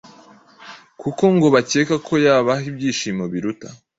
kuko ngo bakeka ko yabaha ibyishimo biruta